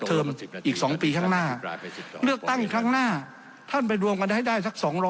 เพิ่งกับความสบายใจของท่านประธานก็ไม่มีทาง